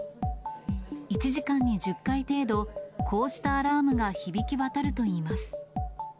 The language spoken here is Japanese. １時間に１０回程度、こうしたアラームが響き渡るといいます。